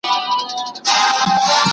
ښوونکي وویل چې پښتو ګټوره ده.